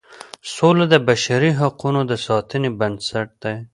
سوله د بشري حقوقو د ساتنې بنسټ دی.